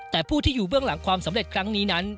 แต่ผู้ที่อยู่เบื้องหลังความสำเร็จครั้งนี้นั้น